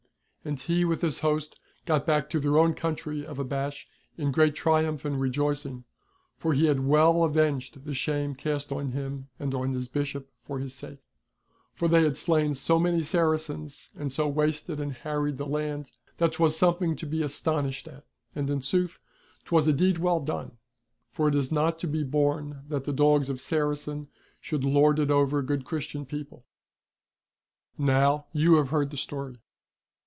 And he with his host got back to their own country of Abash in great triumph and rejoicing; for he had well avenged the shame cast on him and on his Bishop for his sake. For they had slain so many Saracens, and so wasted and harried the land, that 'twas something to be astonished at. And in sooth 'twas a deed well done ! For it is not to be borne that the dogs of Saracens should lord it over good Christian people I Now you have heard the story.'